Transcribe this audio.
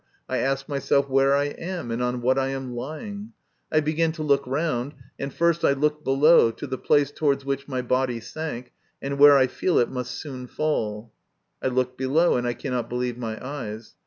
I ask myself where I am, and on what I am lying. I begin to look round, and first I look below, to the place towards which my body sank, and jwhere I feel it must soon fall. I look below, and I cannot believe my eyes.